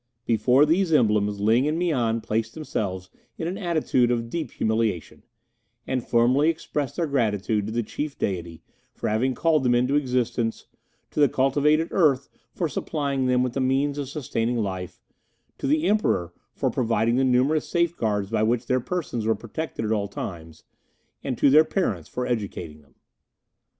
Before these emblems Ling and Mian placed themselves in an attitude of deep humiliation, and formally expressed their gratitude to the Chief Deity for having called them into existence, to the cultivated earth for supplying them with the means of sustaining life, to the Emperor for providing the numerous safeguards by which their persons were protected at all times, and to their parents for educating them.